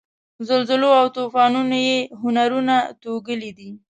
زلزلو او توپانونو یې هنرونه توږلي دي.